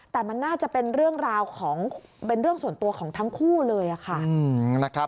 แต่มันน่าจะเป็นเรื่องราวของเป็นเรื่องส่วนตัวของทั้งคู่เลยค่ะ